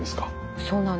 そうなんです。